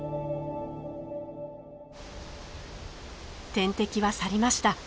天敵は去りました。